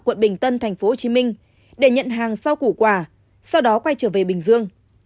quận bình tân tp hcm để nhận hàng sao củ quả sau đó quay trở về bình dương